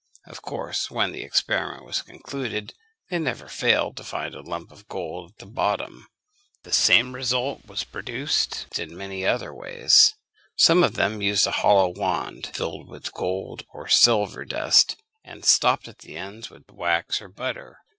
Of course, when the experiment was concluded, they never failed to find a lump of gold at the bottom. The same result was produced in many other ways. Some of them used a hollow wand, filled with gold or silver dust, and stopped at the ends with wax or butter.